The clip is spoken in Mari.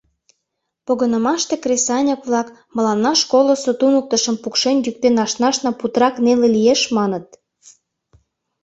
Погынымаште кресаньык-влак «мыланна школысо туныктышым пукшен-йӱктен ашнашна путырак неле лиеш» маныт.